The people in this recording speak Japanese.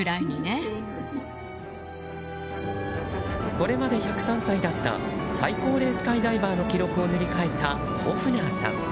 これまで１０３歳だった最高齢スカイダイバーの記録を塗り替えたホフナーさん。